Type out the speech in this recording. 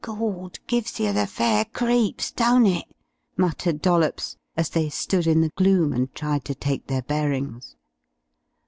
"Gawd! gives yer the fair creeps, don't it?" muttered Dollops as they stood in the gloom and tried to take their bearings.